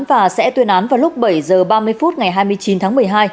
và sẽ tuyên án vào lúc bảy h ba mươi phút ngày hai mươi chín tháng một mươi hai